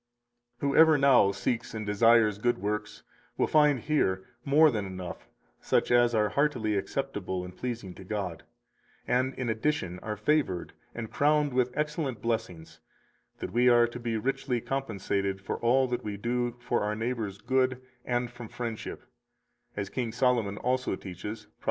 252 Whoever now seeks and desires good works will find here more than enough such as are heartily acceptable and pleasing to God, and in addition are favored and crowned with excellent blessings, that we are to be richly compensated for all that we do for our neighbor's good and from friendship; as King Solomon also teaches Prov.